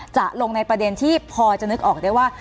จะลงในประเด็นที่พอจะนึกออกได้ว่า